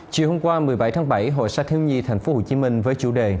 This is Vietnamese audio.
chiều hôm qua một mươi bảy tháng bảy hội sách thiếu nhi tp hcm với chủ đề